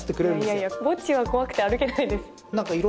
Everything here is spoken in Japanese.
いやいや、墓地は怖くて歩けないです。